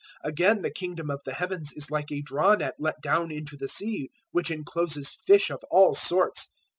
013:047 "Again the Kingdom of the Heavens is like a draw net let down into the sea, which encloses fish of all sorts.